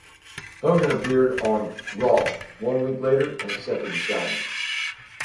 Hogan appeared on "Raw" one week later and accepted the challenge.